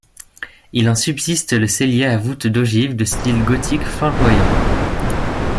Il en subsiste le cellier à voûte d'ogive de style gothique flamboyant.